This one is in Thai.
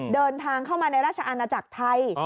เดินทางเข้ามาในราชอาณาจักรไทย